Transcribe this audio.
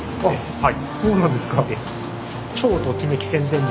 はい。